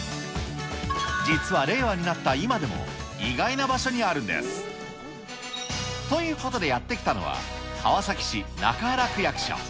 実は令和になった今でも意外な場所にあるんです。ということでやって来たのは、川崎市中原区役所。